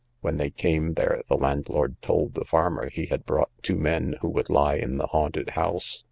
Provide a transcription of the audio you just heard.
When they came there the landlord told the farmer he had brought two men who would lie in the haunted house.